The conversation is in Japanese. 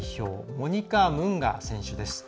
モニカ・ムンガ選手です。